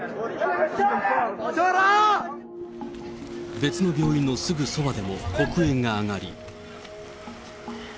別の病院のすぐそばでも黒煙が上がり。